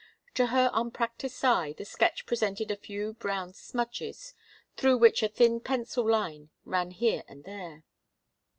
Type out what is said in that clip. To her unpractised eye the sketch presented a few brown smudges, through which a thin pencil line ran here and there.